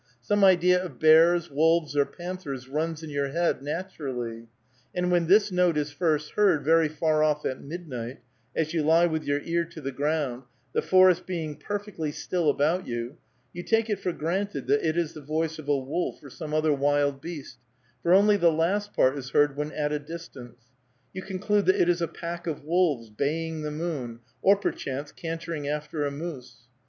Some idea of bears, wolves, or panthers runs in your head naturally, and when this note is first heard very far off at midnight, as you lie with your ear to the ground, the forest being perfectly still about you, you take it for granted that it is the voice of a wolf or some other wild beast, for only the last part is heard when at a distance, you conclude that it is a pack of wolves, baying the moon, or, perchance, cantering after a moose.